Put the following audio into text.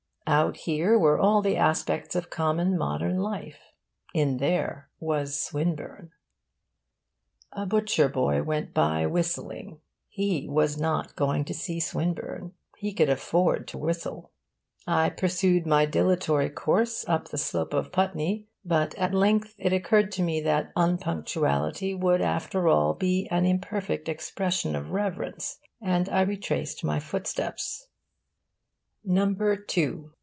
Out here were all the aspects of common modern life. In there was Swinburne. A butcher boy went by, whistling. He was not going to see Swinburne. He could afford to whistle. I pursued my dilatory course up the slope of Putney, but at length it occurred to me that unpunctuality would after all be an imperfect expression of reverence, and I retraced my footsteps. No.